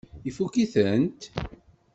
Ifukk-itent?